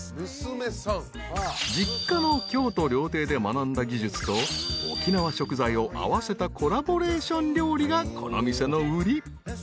［実家の京都料亭で学んだ技術と沖縄食材を合わせたコラボレーション料理がこの店の売り］